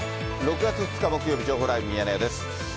６月２日木曜日、情報ライブミヤネ屋です。